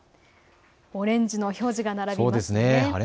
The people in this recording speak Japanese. オレンジの表示が並びます。